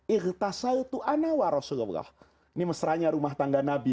ini mesra rumah tangga nabi